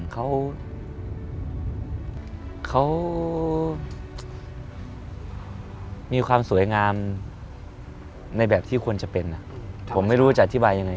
เขามีความสวยงามในแบบที่ควรจะเป็นผมไม่รู้จะอธิบายยังไง